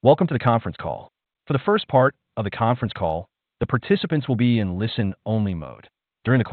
Welcome to the conference call. For the first part of the conference call, the participants will be in listen-only mode. During the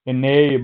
Q&A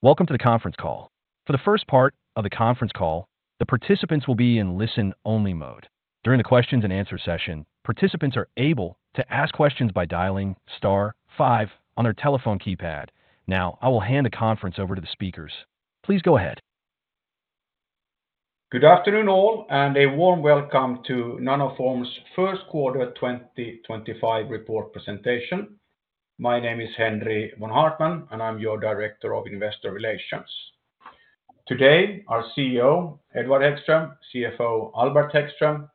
session, participants are able to ask questions by dialing star five on their telephone keypad. Now, I will hand the conference over to the speakers. Please go ahead. Good afternoon all, and a warm welcome to Nanoform's First Quarter 2025 Report Presentation. My name is Henri von Haartman, and I'm your Director of Investor Relations. Today, our CEO, Edward Hæggström, CFO, Albert Hæggström,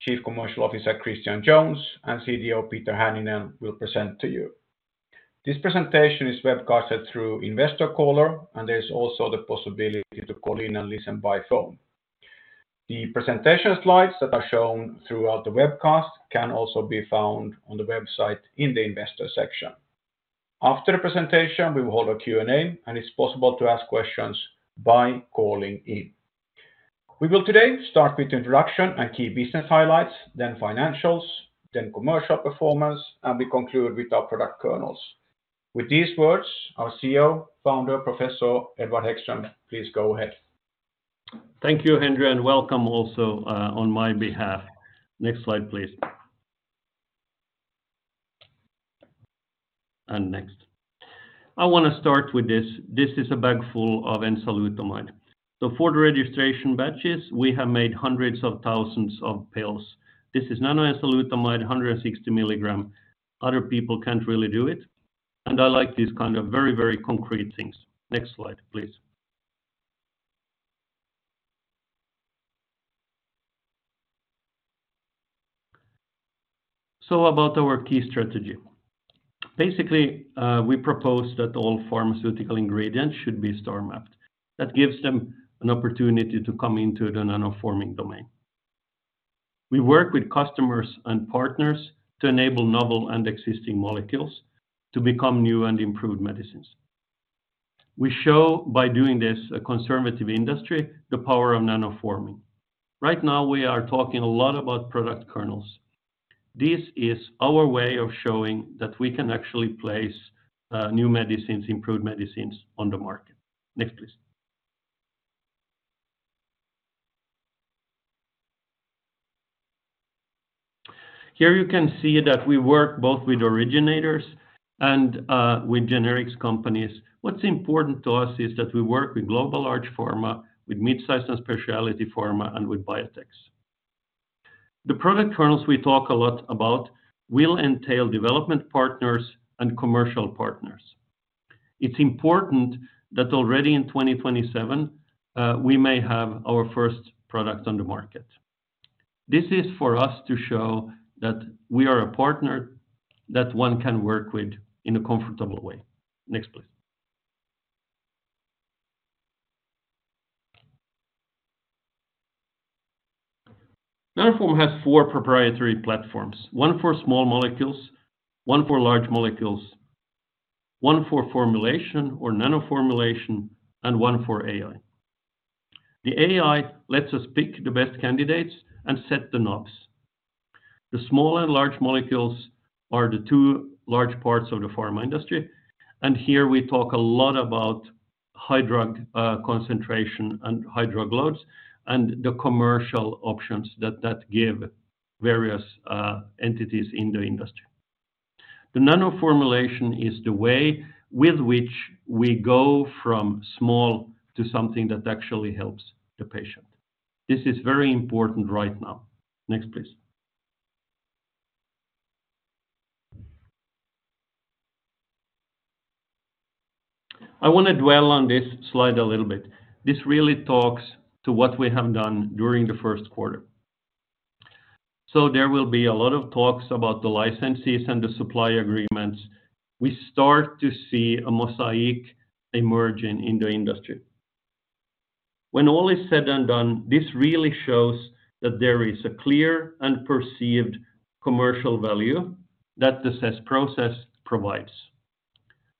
Chief Commercial Officer, Christian Jones, and CDO, Peter Hänninen, will present to you. This presentation is webcasted through Investor Caller, and there is also the possibility to call in and listen by phone. The presentation slides that are shown throughout the webcast can also be found on the website in the Investor section. After the presentation, we will hold a Q&A, and it's possible to ask questions by calling in. We will today start with the introduction and key business highlights, then financials, then commercial performance, and we conclude with our product kernels. With these words, our CEO, founder, Professor Edward Hæggström, please go ahead. Thank you, Henri, and welcome also on my behalf. Next slide, please. Next. I want to start with this: this is a bag full of enzalutamide. For the registration batches, we have made hundreds of thousands of pills. This is nanoenzalutamide, 160 milligram. Other people cannot really do it. I like these kind of very, very concrete things. Next slide, please. About our key strategy. Basically, we propose that all pharmaceutical ingredients should be star-mapped. That gives them an opportunity to come into the nanoforming domain. We work with customers and partners to enable novel and existing molecules to become new and improved medicines. We show, by doing this, a conservative industry, the power of nanoforming. Right now, we are talking a lot about product kernels. This is our way of showing that we can actually place new medicines, improved medicines, on the market. Next, please. Here you can see that we work both with originators and with generics companies. What's important to us is that we work with global large pharma, with mid-size and specialty pharma, and with biotechs. The product kernels we talk a lot about will entail development partners and commercial partners. It's important that already in 2027, we may have our first product on the market. This is for us to show that we are a partner that one can work with in a comfortable way. Next, please. Nanoform has four proprietary platforms: one for small molecules, one for large molecules, one for formulation or nanoformulation, and one for AI. The AI lets us pick the best candidates and set the knobs. The small and large molecules are the two large parts of the pharma industry. Here we talk a lot about high drug concentration and high drug loads and the commercial options that that give various entities in the industry. The nanoformulation is the way with which we go from small to something that actually helps the patient. This is very important right now. Next, please. I want to dwell on this slide a little bit. This really talks to what we have done during the first quarter. There will be a lot of talks about the licenses and the supply agreements. We start to see a mosaic emerging in the industry. When all is said and done, this really shows that there is a clear and perceived commercial value that the CESS process provides.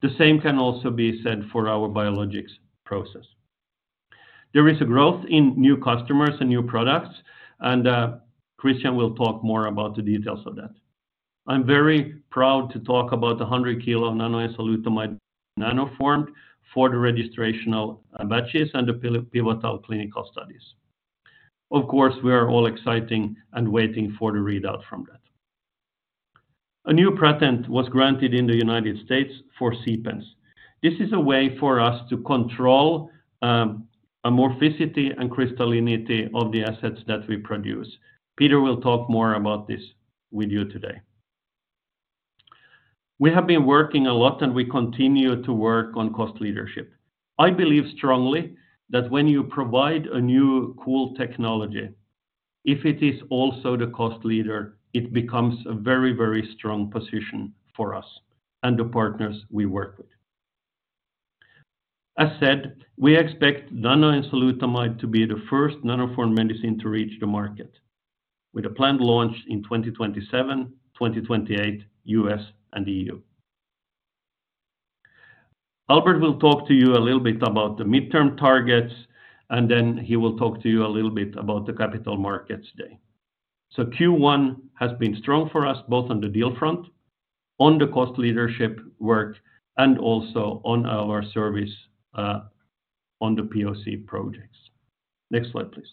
The same can also be said for our biologics process. There is a growth in new customers and new products, and Christian will talk more about the details of that. I'm very proud to talk about the 100 kilo nanoenzalutamide nanoformed for the registrational batches and the pivotal clinical studies. Of course, we are all excited and waiting for the readout from that. A new patent was granted in the United States for SEEPANTS. This is a way for us to control amorphicity and crystallinity of the assets that we produce. Peter will talk more about this with you today. We have been working a lot, and we continue to work on cost leadership. I believe strongly that when you provide a new cool technology, if it is also the cost leader, it becomes a very, very strong position for us and the partners we work with. As said, we expect nanoenzalutamide to be the first Nanoform medicine to reach the market, with a planned launch in 2027, 2028, U.S. and EU. Albert will talk to you a little bit about the midterm targets, and then he will talk to you a little bit about the capital markets day. Q1 has been strong for us, both on the deal front, on the cost leadership work, and also on our service